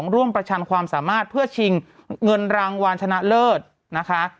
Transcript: ร่วมประชันความสามารถเพื่อชิงเงินรางวัลชนะเลิศนะคะ